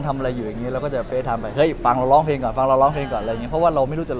แค่ชอบเฉยเพราะอยากทำเวลาว่าง